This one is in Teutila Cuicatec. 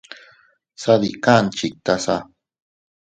Sadikan chiktasa.